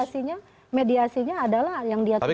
jadi mediasinya adalah yang dia tugaskan